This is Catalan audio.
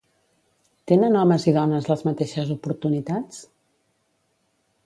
Tenen homes i dones les mateixes oportunitats?